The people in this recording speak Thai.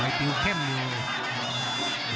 ไอ้ติวเข้มอยู่